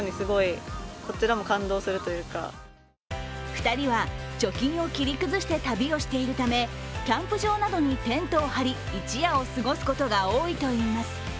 ２人は貯金を切り崩して旅をしているためキャンプ場などにテントを張り一夜を過ごすことが多いといいます。